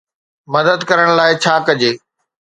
مدد ڪرڻ لاء ڇا ڪجي؟